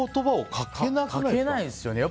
かけないですよ。